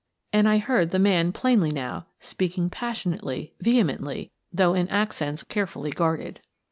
And I heard the man plainly now, speak ing passionately, vehemently, though in accents carefully guarded.